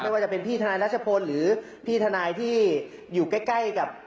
ว่าจะเป็นพี่ทนายรัชพลหรือพี่ทนายที่อยู่ใกล้กับ